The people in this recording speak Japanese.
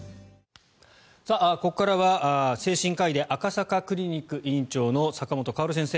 ここからは精神科医で赤坂クリニック院長の坂元薫先生